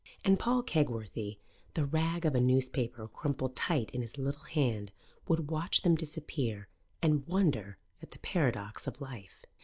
And Paul Kegworthy, the rag of a newspaper crumpled tight in his little hand, would watch them disappear and wonder at the paradox of life.